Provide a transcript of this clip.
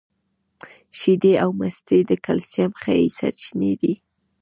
شیدې او مستې د کلسیم ښې سرچینې دي